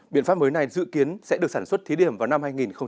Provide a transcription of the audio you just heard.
biện pháp mới này dự kiến sẽ được sản xuất thí điểm vào năm hai nghìn hai mươi